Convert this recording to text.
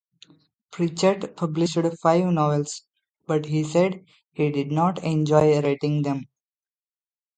Pritchett published five novels, but he said he did not enjoy writing them.